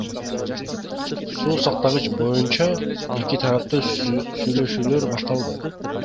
Суу сактагыч боюнча эки тараптуу сүйлөшүүлөр башталды.